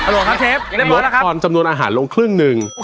อร่อยครับเชฟได้หมดแล้วครับลดความจำนวนอาหารลงครึ่งหนึ่ง